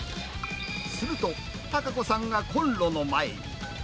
すると、孝子さんがこんろの前に。